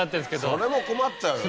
それも困っちゃうよね。